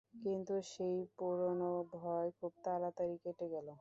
কিন্তু সেই পুরোনো ভয় খুব তাড়াতাড়ি কেটে গেল।